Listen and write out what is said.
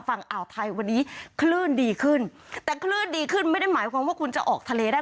ฝั่งอ่าวไทยวันนี้คลื่นดีขึ้นแต่คลื่นดีขึ้นไม่ได้หมายความว่าคุณจะออกทะเลได้